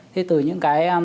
thế từ những cái